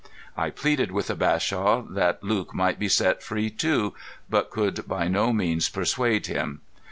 I pleaded with the Bashaw that Luke might be set free too, but could by no means persuade him.